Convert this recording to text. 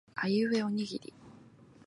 あいうえおおにぎり